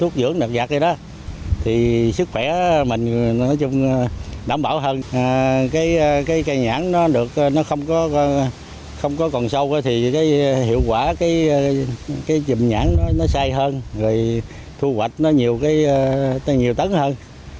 cái nhãn nó không còn sâu thì hiệu quả chùm nhãn nó sai hơn thu hoạch nó nhiều tấn hơn